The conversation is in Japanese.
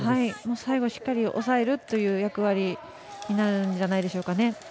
最後、しっかり抑えるという役割になるんじゃないでしょうか。